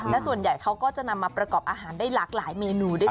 และส่วนใหญ่เขาก็จะนำมาประกอบอาหารได้หลากหลายเมนูด้วย